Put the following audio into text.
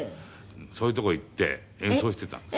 そういうとこへ行って演奏してたんです。